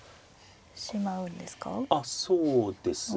あっそうですね。